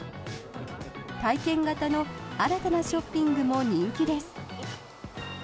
体験型の新たなショッピングも人気です。